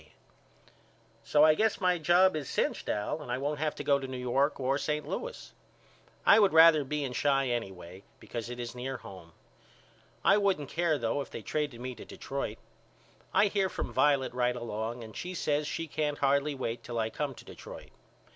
K. So I guess my job is cinched Al and I won't have to go to New York or St. Louis. I would rather be in Chi anyway because it is near home. I wouldn't care though if they traded me to Detroit. I hear from Violet right along and she says she can't hardly wait till I come to Detroit.